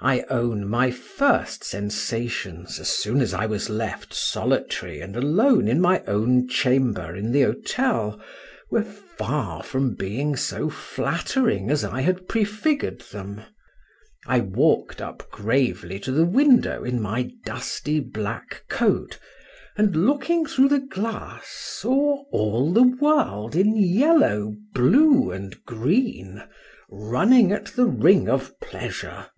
I own my first sensations, as soon as I was left solitary and alone in my own chamber in the hotel, were far from being so flattering as I had prefigured them. I walked up gravely to the window in my dusty black coat, and looking through the glass saw all the world in yellow, blue, and green, running at the ring of pleasure.